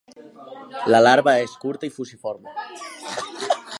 La larva és curta i fusiforme.